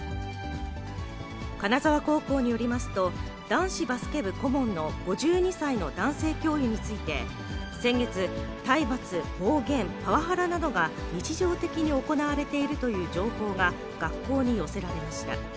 金沢高校によりますと、男子バスケ部顧問の５２歳の男性教諭について先月、体罰、暴言、パワハラなどが日常的に行われているという情報が学校に寄せられました。